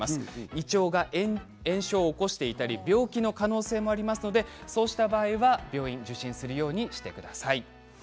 胃腸が炎症を起こしていたり病気の可能性もありますのでそうした場合は病院受診するようにしてください。